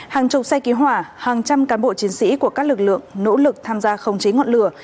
hàng chục xe cứu hỏa hàng trăm cán bộ chiến sĩ của các lực lượng nỗ lực tham gia khống chế ngọn lửa